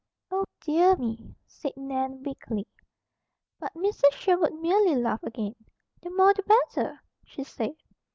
"Oh, dear me!" said Nan weakly. But Mrs. Sherwood merely laughed again. "The more the better," she said.